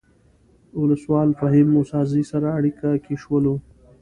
ولسوال فهیم موسی زی سره اړیکه کې شولو.